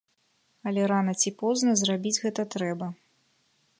Але рана ці позна зрабіць гэта трэба.